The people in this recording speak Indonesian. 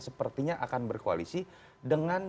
sepertinya akan berkoalisi dengan